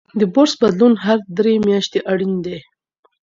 د برس بدلون هر درې میاشتې اړین دی.